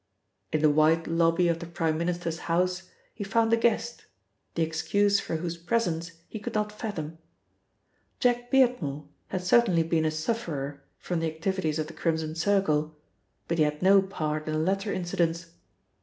In the wide lobby of the Prime Minister's house he found a guest, the excuse for whose presence he could not fathom. Jack Beardmore had certainly been a sufferer from the activities of the Crimson Circle, but he had no part in the latter incidents.